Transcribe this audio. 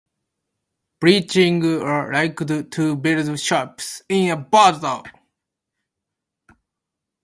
Buchinger liked to build ships in a bottle.